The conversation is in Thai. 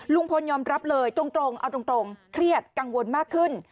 ลุงพลยอมรับเลยตรงเอาตรงเครียดกังวลมากขึ้น